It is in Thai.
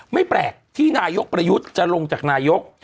ไม่แปลกที่นายกประยุทธ์จะลงจากนายก